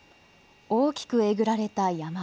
大きくえぐられた山。